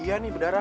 iya nih berdarah